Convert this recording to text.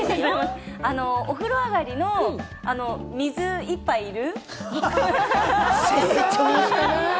お風呂上がりの水１杯いる？